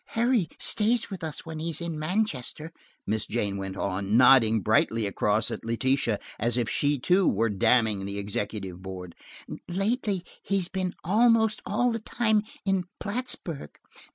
"Harry stays with us when he is in Manchester," Miss Jane went on, nodding brightly across at Letitia as if she, too, were damning the executive board. "Lately, he has been almost all the time in Plattsburg.